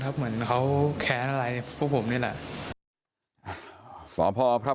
แต่เรานี่รู้จักกับคนอยู่บ้างนะครับ